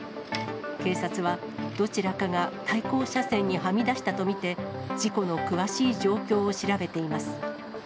警察はどちらかが対向車線にはみ出したと見て、事故の詳しい状況を調べています。